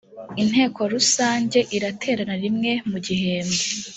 inteko rusange iraterana rimwe mu gihembwe